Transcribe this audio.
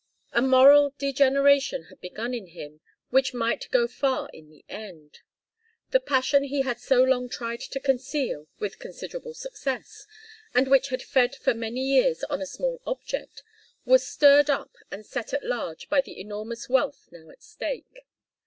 A moral degeneration had begun in him, which might go far in the end. The passion he had so long tried to conceal, with considerable success, and which had fed for many years on a small object, was stirred up and set at large by the enormous wealth now at stake.